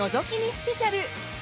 スペシャル！